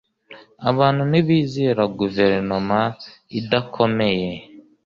Abantu ntibizera guverinoma idakomeye.